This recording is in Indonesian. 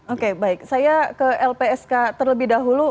oke baik saya ke lpsk terlebih dahulu